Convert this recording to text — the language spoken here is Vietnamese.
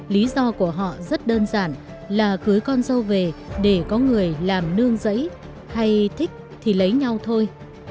lý do của họ rất đơn giản là cưới con dâu về để có người làm nương giấy hay thích thì lấy nhau thôi